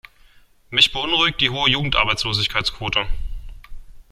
Mich beunruhigt die hohe Jugendarbeitslosigkeitsquote.